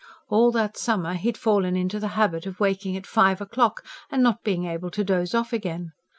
All that summer he had fallen into the habit of waking at five o'clock, and not being able to doze off again.